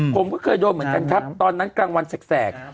ผมก็เคยโดนเหมือนกันครับตอนนั้นกลางวันแสก